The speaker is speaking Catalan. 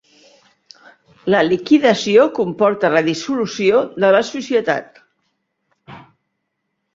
La liquidació comporta la dissolució de la societat.